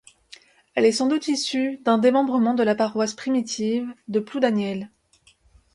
Elle est sans doute issue d'un démembrement de la paroisse primitive de Ploudaniel.